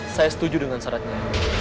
saya setuju dengan syaratnya